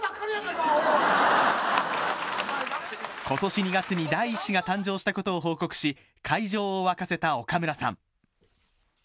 今年２月に第１子が誕生したことを報告し会場を沸かせた岡村さん。